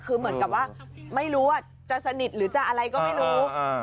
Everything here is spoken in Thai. คือเหมือนกับว่าไม่รู้ว่าจะสนิทหรือจะอะไรก็ไม่รู้